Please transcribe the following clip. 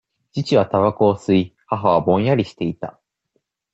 父はたばこを吸い、母はぼんやりしていた。